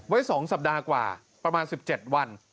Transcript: ไว้๒สัปดาห์กว่าประมาณ๑๗วัน